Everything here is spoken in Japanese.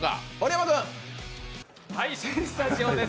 Ｃスタジオです